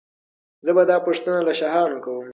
زه به دا پوښتنه له شاهانو کوم.